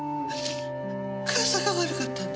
母さんが悪かったんだ。